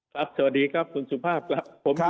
สวัสดีครับคุณสุภาพครับ